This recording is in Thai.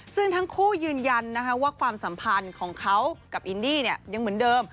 ซึ่งทั้งคู่ยืนยันว่าความสัมพันธ์ของเขากับอินดี้ยังเหมือนเดิม